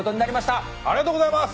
ありがとうございます！